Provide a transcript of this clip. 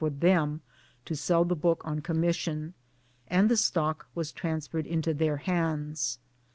for them to sell the book on commission, and the stock was transferred into their hands.